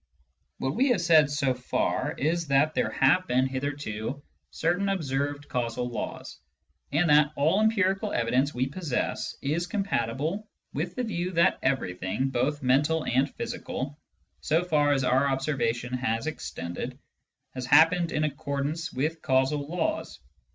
What we have said so far is that there have been hitherto certain observed causal laws, and that all the empirical evidence we possess is compatible with the view that everything, both mental and physical, so far Digitized by Google ON THE NOTION OF CAUSE 221 as our observation has extended, has happened in accord ance with causal laws.